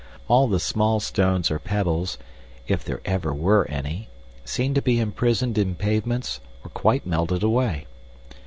All the small stones or pebbles, if there ever were any, seem to be imprisoned in pavements or quite melted away.